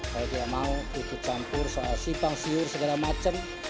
saya tidak mau ikut campur soal simpang siur segala macam